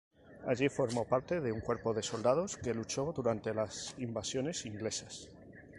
Allí formó parte de un cuerpo de soldados que luchó durante las Invasiones Inglesas.